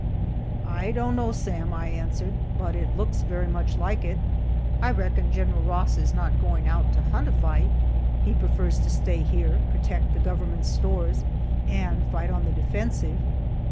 "I don't know, Sam," I answered, "but it looks very much like it. I reckon Gen. Ross is not going out to hunt a fight; he prefers to stay here, protect the government stores, and fight on the defensive.